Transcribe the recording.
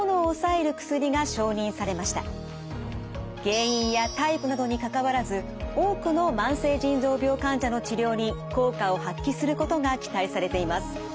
原因やタイプなどにかかわらず多くの慢性腎臓病患者の治療に効果を発揮することが期待されています。